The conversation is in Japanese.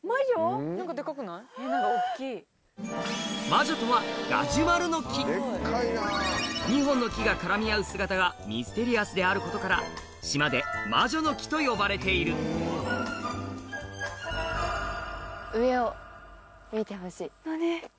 魔女とは２本の木が絡み合う姿がミステリアスであることから島で魔女の木と呼ばれている何？